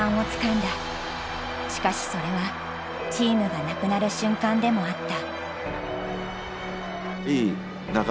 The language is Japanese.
しかしそれはチームがなくなる瞬間でもあった。